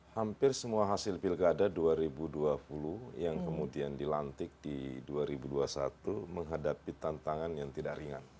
hampir semua hasil pilkada dua ribu dua puluh yang kemudian dilantik di dua ribu dua puluh satu menghadapi tantangan yang tidak ringan